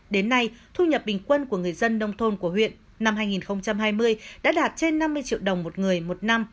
đến nay thu nhập bình quân của người dân nông thôn của huyện năm hai nghìn hai mươi đã đạt trên năm mươi triệu đồng một người một năm